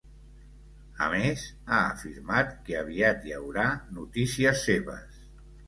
A més, ha afirmat que aviat hi haurà notícies seves.